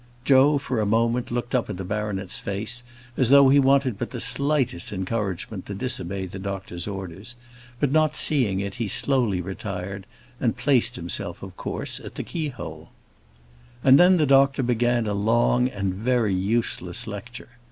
Joe, for a moment, looked up at the baronet's face, as though he wanted but the slightest encouragement to disobey the doctor's orders; but not seeing it, he slowly retired, and placed himself, of course, at the keyhole. And then, the doctor began a long and very useless lecture.